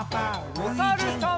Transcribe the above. おさるさん。